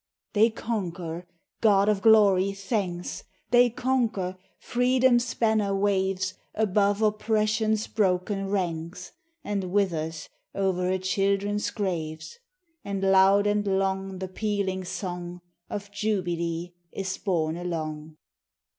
They conquer! God of glory, thanks! They conquer! Freedom's banner waves Above Oppression's broken ranks, And withers o'er her children's graves; And loud and long the pealing song Of Jubilee is borne along.